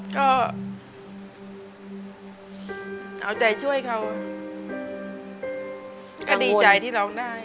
ก็เอาใจช่วยเขาก็ดีใจที่ร้องได้